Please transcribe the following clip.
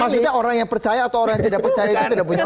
artinya orang yang percaya atau orang yang tidak percaya itu tidak punya